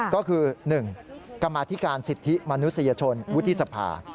ก็คือ๑กรรมาธิการสิทธิมนุษยชนวุฒิสภา